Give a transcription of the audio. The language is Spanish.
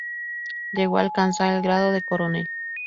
Llegó a alcanzar el grado de Coronel.